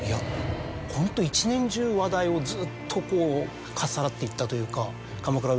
ホント一年中話題をずっとこうかっさらっていったというか。